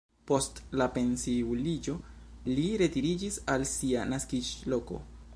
Post la pensiuliĝo li retiriĝis al sia naskiĝloko.